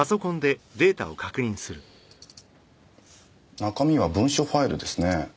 中身は文書ファイルですね。